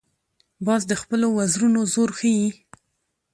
باز د خپلو وزرونو زور ښيي